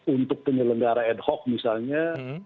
untuk penyelenggara ad hoc misalnya